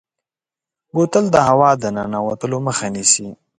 بوتل د هوا د ننوتو مخه نیسي.